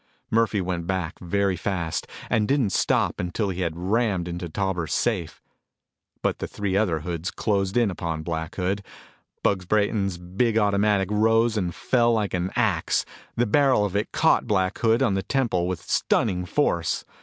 Murphy went back very fast and didn't stop until he had rammed into the Tauber safe. But the three other hoods closed in upon Black Hood. Bugs Brayton's big automatic rose and fell like an ax. The barrel of it caught Black Hood on the temple with stunning force.